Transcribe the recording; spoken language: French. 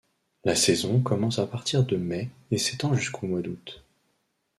La saison commence à partir de mai et s’étend jusqu’au mois d’août.